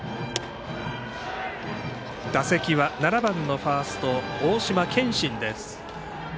打席は７番のファースト大島健真です。